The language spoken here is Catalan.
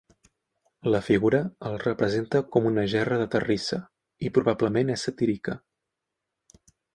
La figura el representa com una gerra de terrissa i probablement és satírica.